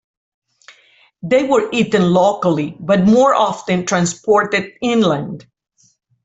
They were eaten locally but more often transported inland.